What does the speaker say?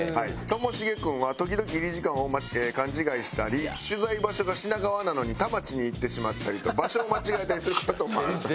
ともしげ君は時々入り時間を勘違いしたり取材場所が品川なのに田町に行ってしまったりと場所を間違えたりする事もある。